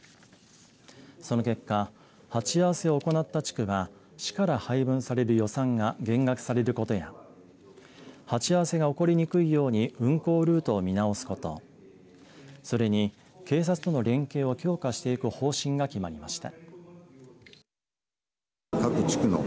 その結果鉢合わせを行った地区は市から配分される予算が減額されることや鉢合わせが起こりにくいように運行ルートを見直すことそれに警察との連携を強化していく方針が決まりました。